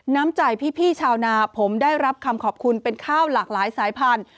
น้ำใจพี่ชาวนาผมได้รับคำขอบคุณเป็นข้าวหลากหลายสายพันธุ